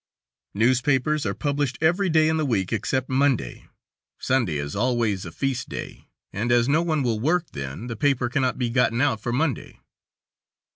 Newspapers are published every day in the week except Monday. Sunday is always a feast day, and as no one will work then, the paper cannot be gotten out for Monday.